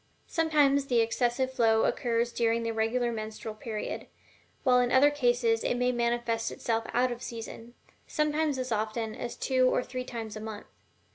Sometimes the excessive flow occurs during the regular menstrual period, while in other cases it may manifest itself out of season sometimes as often as two or three times a month.